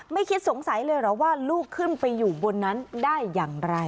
ไม่คิดสงสัยเลยเหรอว่าลูกขึ้นไปอยู่บนนั้นได้อย่างไร